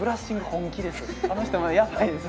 本気です